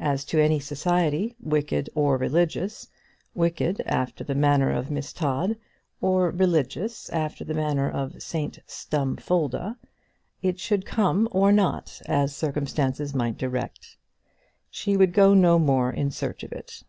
As to any society, wicked or religious, wicked after the manner of Miss Todd, or religious after the manner of St Stumfolda, it should come or not, as circumstances might direct. She would go no more in search of it.